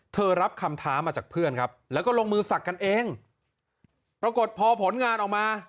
รับคำท้ามาจากเพื่อนครับแล้วก็ลงมือศักดิ์กันเองปรากฏพอผลงานออกมา